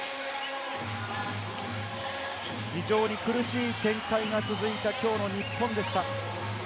非常に苦しい展開が続いたきょうの日本でした。